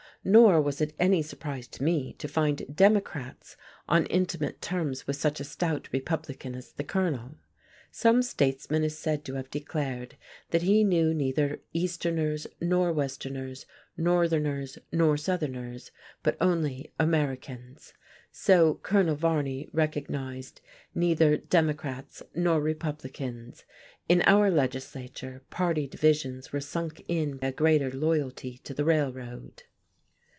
Nor was it any surprise to me to find Democrats on intimate terms with such a stout Republican as the Colonel. Some statesman is said to have declared that he knew neither Easterners nor Westerners, Northerners nor Southerners, but only Americans; so Colonel Varney recognized neither Democrats nor Republicans; in our legislature party divisions were sunk in a greater loyalty to the Railroad.